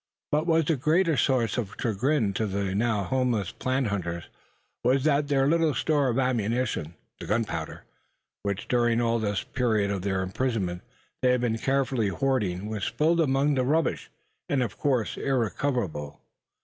But what was a greater source of chagrin to the now homeless plant hunters, was that their little store of ammunition the gunpowder, which during all the period of their imprisonment they had been carefully hoarding was spilled among the rubbish, and of course irrecoverable.